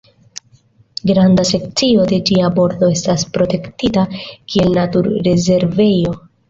Granda sekcio de ĝia bordo estas protektita kiel naturrezervejo.